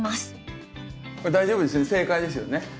これ大丈夫ですよね？